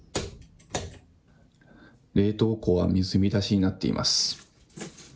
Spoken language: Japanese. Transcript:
冷凍庫は水浸しになっています。